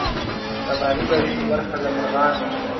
تباهي به وي په برخه د مرغانو